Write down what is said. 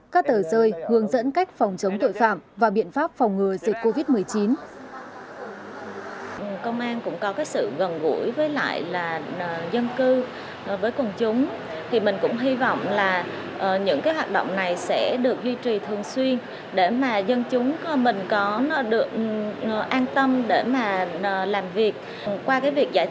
các tờ rơi hướng dẫn cách phòng chống tội phạm và biện pháp phòng ngừa dịch covid một mươi chín